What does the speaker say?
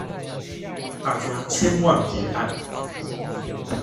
大家千萬別按